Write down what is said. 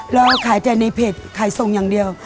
เราขายแต่ในเพจขายส่งอย่างเดียว